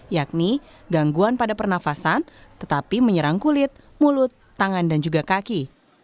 yakni gangguan pada pernafasan tetapi menyerang kulit mulut tangan dan juga kaki